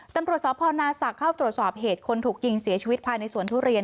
ตำรวจสพนาศักดิ์เข้าตรวจสอบเหตุคนถูกยิงเสียชีวิตภายในสวนทุเรียน